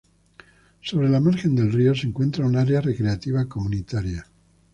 Sobre la margen del río, se encuentra un área recreativa comunitaria.